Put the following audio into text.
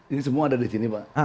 ini semua ada di sini pak